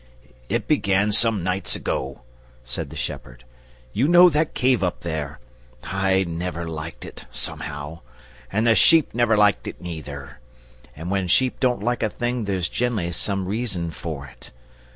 "It began some nights ago," said the shepherd. "You know that cave up there I never liked it, somehow, and the sheep never liked it neither, and when sheep don't like a thing there's generally some reason for it.